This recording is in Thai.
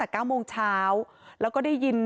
ครั้งแรกไม่มี